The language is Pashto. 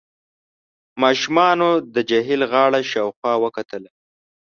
ماشومانو د جهيل غاړه شاوخوا وکتله.